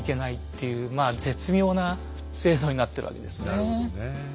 なるほどねえ。